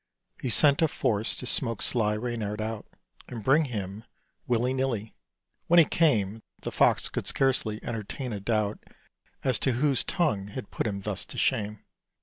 He sent a force to smoke sly Reynard out, And bring him, willy nilly. When he came, The Fox could scarcely entertain a doubt As to whose tongue had put him thus to shame.